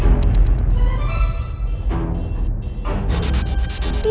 ya sebenernya sih gue iseng aja biar darah lo naik